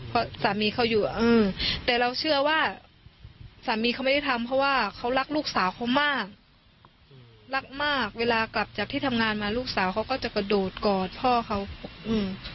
เพราะสามีเขาอยู่อ่ะอืมแต่เราเชื่อว่าสามีเขาไม่ได้ทำเพราะว่าเขารักลูกสาวเขามากรักมากเวลากลับจากที่ทำงานมาลูกสาวเขาก็จะกระโดดกอดพ่อเขาอืม